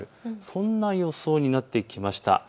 そんな予想になってきました。